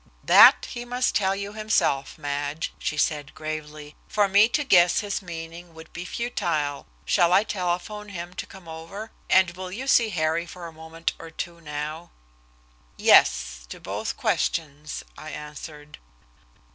"That he must tell you himself, Madge," she said gravely. "For me to guess his meaning would be futile. Shall I telephone him to come over, and will you see Harry for a moment or two now?" "Yes! to both questions," I answered.